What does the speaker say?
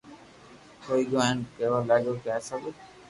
ھوئي گيو ھين ڪيوا لاگيو ڪي آ سب